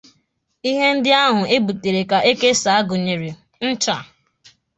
Ihe ndị ahụ e butere ka e kesàá gụnyerè: nchà